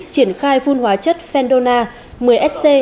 triển khai phun hóa chất fendona một mươi sc